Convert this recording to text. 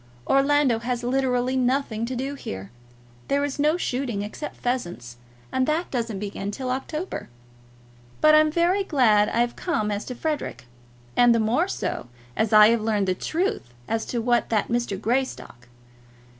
Orlando has literally nothing to do here. There is no shooting, except pheasants, and that doesn't begin till October. But I'm very glad I've come as to Frederic, and the more so, as I have learned the truth as to that Mr. Greystock.